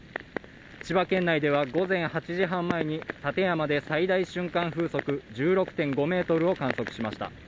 千葉県内では午前８時半前に、館山で最大瞬間風速１６．５メートルを観測しました。